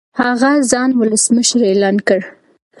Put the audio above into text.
هغه ځان ولسمشر اعلان کړ.